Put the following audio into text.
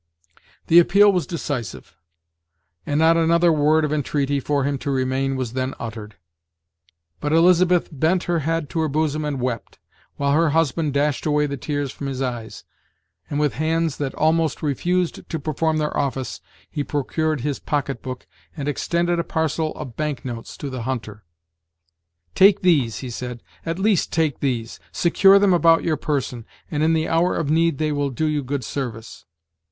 The appeal was decisive; and not another word of en treaty for him to remain was then uttered; but Elizabeth bent her head to her bosom and wept, while her husband dashed away the tears from his eyes; and, with hands that almost refused to perform their office, he procured his pocket book, and extended a parcel of bank notes to the hunter. "Take these," he said, "at least take these; secure them about your person, and in the hour of need they will do you good service."